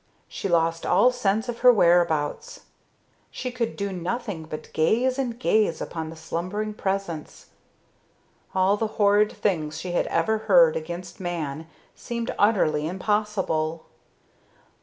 She lost all sense of her whereabouts; she could do nothing but gaze and gaze upon the slumbering presence. All the horrid things she had ever heard against man seemed utterly impossible.